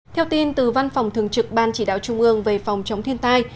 theo tin từ văn phòng thường trực ban chỉ đạo trung ương về phòng chống thiên tai